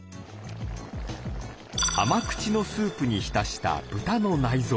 甘口のスープにひたした豚の内臓。